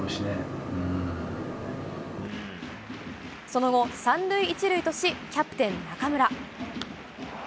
その後、３塁１塁とし、キャプテン・中村。